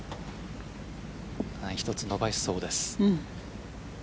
一つ伸ばしそうです。